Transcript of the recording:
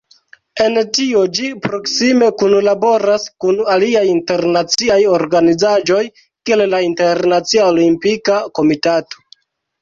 En tio ĝi proksime kunlaboras kun aliaj internaciaj organizaĵoj kiel la Internacia Olimpika Komitato.